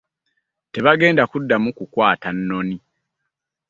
Tebagenda kuddamu kukwata nnoni.